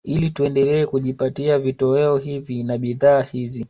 Ili tuendelee kujipatia vitoweo hivi na bidhaa hizi